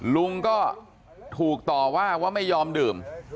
ลุงก็ถูกต่อว่าว่าไม่ยอมดื่ม